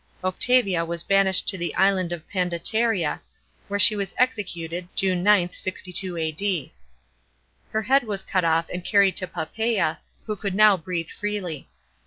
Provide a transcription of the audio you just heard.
Octavia was banished to the island of Pandateria, where she was executed (June 9th, 6 1 A.D.). Her head was cut off and carried to Pop sea, who could now bre ithe freely.